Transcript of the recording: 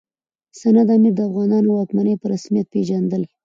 سند امیر د افغانانو واکمني په رسمیت پېژندل.